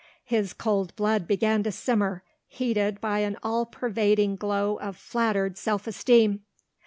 His cold blood began to simmer, heated by an all pervading glow of flattered self esteem.